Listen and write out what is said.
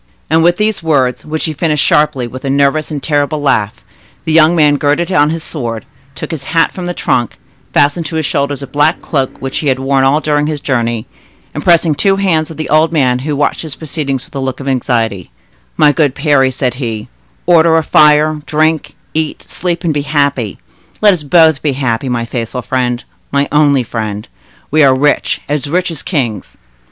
And with these words, which he finished sharply with a nervous and terrible laugh, the young man girded on his sword, took his hat from the trunk, fastened to his shoulder a black cloak, which he had worn all during his journey, and pressing the two hands of the old man, who watched his proceedings with a look of anxiety,— "My good Parry," said he, "order a fire, drink, eat, sleep, and be happy; let us both be happy, my faithful friend, my only friend. We are rich, as rich as kings!"